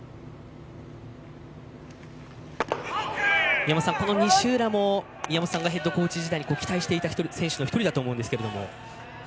宮本さん、この西浦も宮本さんがヘッドコーチ時代に期待していた選手の１人だと思うんですが。